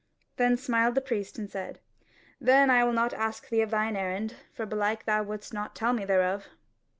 Then smiled the priest and said: "Then will I not ask thee of thine errand; for belike thou wouldest not tell me thereof."